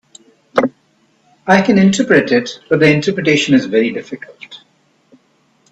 I can interpret it, but the interpretation is very difficult.